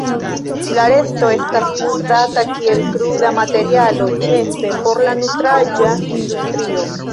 La resto estas uzata kiel kruda materialo, ĉefe por la nutraĵa industrio.